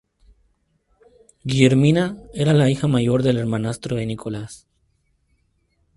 Guillermina era la hija mayor del hermanastro de Nicolás.